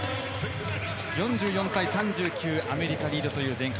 ４４対３９、アメリカリードという前半。